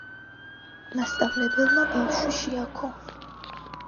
მასწავლებელმა ბავშვი შეაქო